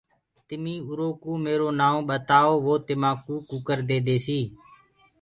تمي اُرو ڪوُ ميرو نائونٚ ٻتآيو وو تمآ ڪوُ ڪٚڪر ديديسي۔